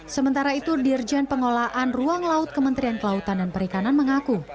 sementara itu dirjen pengelolaan ruang laut kementerian kelautan dan perikanan mengaku